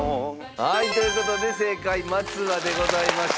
はいという事で正解『待つわ』でございました。